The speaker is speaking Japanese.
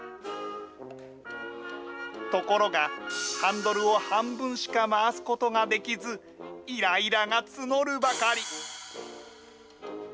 ところが、ハンドルを半分しか回すことができず、いらいらが募るばかり。